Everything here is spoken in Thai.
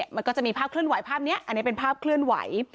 มันก็จะมีภาพเคลื่อนไหวภาพนี้อันนี้เป็นภาพเคลื่อนไหว